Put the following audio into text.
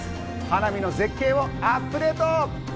花見の絶景をアップデート。